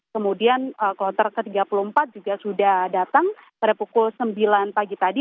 kemudian kloter ke tiga puluh empat juga sudah datang pada pukul sembilan pagi tadi